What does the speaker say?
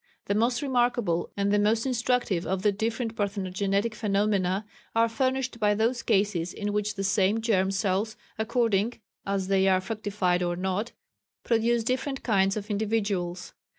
The most remarkable and the most instructive of the different parthenogenetic phenomena are furnished by those cases in which the same germ cells, according as they are fructified or not, produce different kinds of individuals.